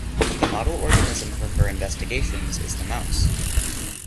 The model organism for her investigations is the mouse.